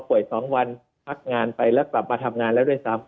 ๒วันพักงานไปแล้วกลับมาทำงานแล้วด้วยซ้ำ